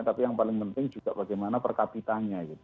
tapi yang paling penting juga bagaimana per kapitanya gitu